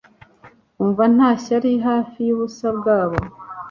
Umva nta ishyari hafi yubusa bwabo